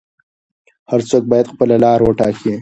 هر څوک باید خپله لاره وټاکي.